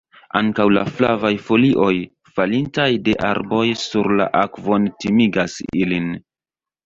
Ankaŭ la flavaj folioj, falintaj de arboj sur la akvon timigas ilin.